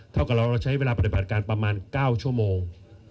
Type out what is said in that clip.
เท่ากับเราเราใช้เวลาปฏิบัติการประมาณ๙ชั่วโมง